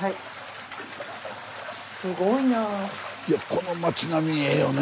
この町並みええよね。